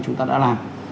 chúng ta đã làm